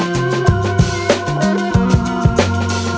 nggak ada yang denger